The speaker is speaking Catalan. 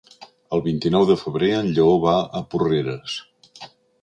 El vint-i-nou de febrer en Lleó va a Porreres.